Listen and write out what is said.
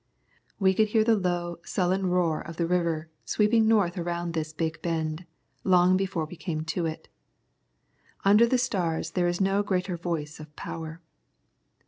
We could hear the low, sullen roar of the river sweeping north around this big bend, long before we came to it. Under the stars there is no greater voice of power.